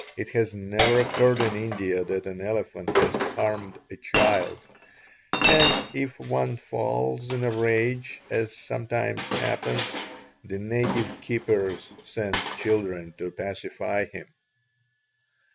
It has never occurred in India that an elephant has harmed a child, and if one falls in a rage, as sometimes happens, the native keepers send children to pacify him."